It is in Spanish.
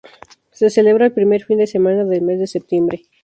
Se celebra el primer fin de semana del mes de septiembre.